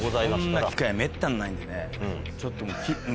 こんな機会めったにないのでちょっと。